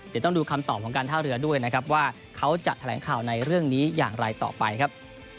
เดี๋ยวต้องดูคำตอบของการท่าเรือด้วยนะครับว่าเขาจะแถลงข่าวในเรื่องนี้อย่างไรต่อไปครับ